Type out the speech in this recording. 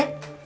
eh duduk ya